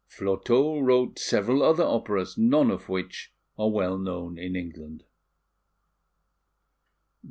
Flotow wrote several other operas, none of which are well known in England.